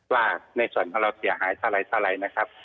ว่าในส่วนที่เราเสียหายเท่าไรนะครับ